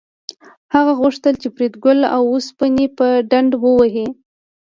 هغه غوښتل چې فریدګل د اوسپنې په ډنډه ووهي